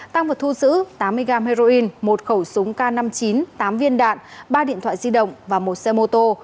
tăng vật thu giữ tám mươi gam heroin một khẩu súng k năm mươi chín tám viên đạn ba điện thoại di động và một xe mô tô